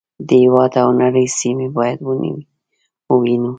د هېواد او نړۍ سیمې باید ووینو.